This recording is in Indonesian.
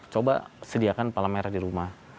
coba sediakan palemera di rumah